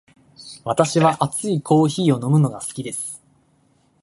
私は熱いコーヒーを飲むのが好きです。